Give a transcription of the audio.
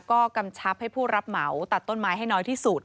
ก็กำชับให้ผู้รับเหมาตัดต้นไม้ให้น้อยที่สุด